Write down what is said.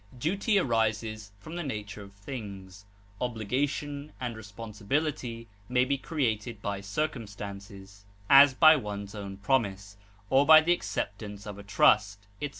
Duty arises from the nature of things; obligation and responsibility may be created by circumstances, as by one's own promise, or by the acceptance of a trust, etc.